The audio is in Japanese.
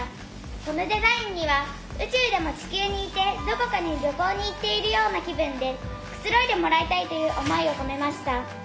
このデザインには宇宙でも地球にいてどこかに旅行に行っているような気分でくつろいでもらいたいという思いを込めました。